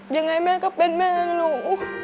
ยังไงแม่ก็เป็นแม่ของหนู